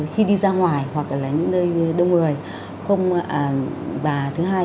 khi đi ra ngoài hoặc là những nơi đông người